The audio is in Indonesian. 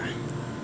haben yang terjadi